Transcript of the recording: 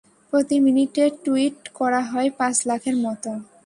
প্রতি মিনিটে টুইট করা হয় পাঁচ লাখের মতো।